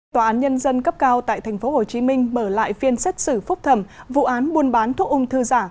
tòa án nhân dân cấp cao tại tp hcm mở lại phiên xét xử phúc thẩm vụ án buôn bán thuốc ung thư giả